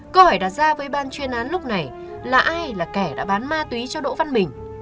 câu hỏi đặt ra với ban chuyên án lúc này là ai là kẻ đã bán ma túy cho đỗ văn bình